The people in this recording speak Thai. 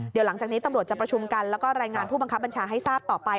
เดี๋ยวหลังจากนี้ตำรวจจะประชุมกันแล้วก็รายงานผู้บังคับบัญชาให้ทราบต่อไป